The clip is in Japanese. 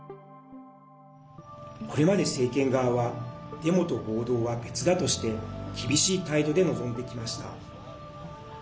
これまで政権側はデモと暴動は別だとして厳しい態度で臨んできました。